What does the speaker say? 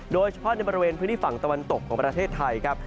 โดยเฉพาะในบริเวณพื้นที่ฝั่งตะวันตกของประเทศไทยครับ